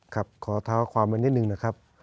ครับขอถามความมานิดนึงนะครับ